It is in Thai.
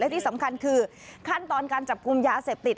ที่สำคัญคือขั้นตอนการจับกลุ่มยาเสพติด